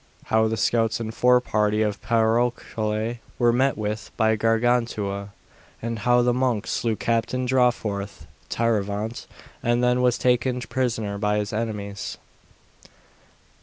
How the scouts and fore party of Picrochole were met with by Gargantua, and how the Monk slew Captain Drawforth (Tirevant.), and then was taken prisoner by his enemies.